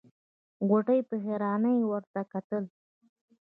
غوټۍ په حيرانۍ ورته کتل.